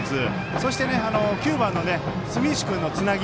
そして、９番の住石君のつなぎ。